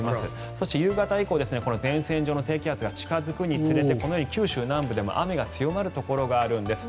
そして、夕方以降前線上の低気圧が近付くにつれて九州南部でも雨が強まるところがあるんです。